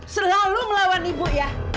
selalu melawan ibu ya